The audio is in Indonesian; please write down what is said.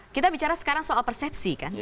kita bicara sekarang soal persepsi kan